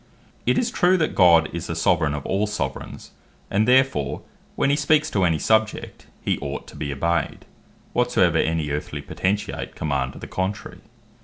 It is true, that God is the Soveraign of all Soveraigns; and therefore, when he speaks to any Subject, he ought to be obeyed, whatsoever any earthly Potentate command to the contrary.